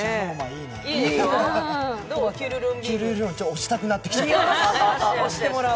推したくなってきちゃった。